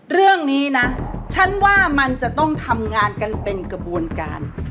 เรื่องนี้นะฉันว่ามันจะต้องทำงานกันเป็นกระบวนการ